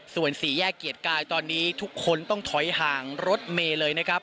ส่วนสี่แยกเกียรติกายตอนนี้ทุกคนต้องถอยห่างรถเมย์เลยนะครับ